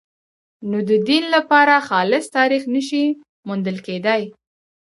نو د دین لپاره خالص تاریخ نه شي موندل کېدای.